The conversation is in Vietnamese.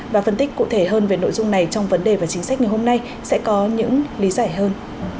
và phân tích cụ thể hơn về nội dung này trong vấn đề và chính sách ngày hôm nay sẽ có những lý giải hơn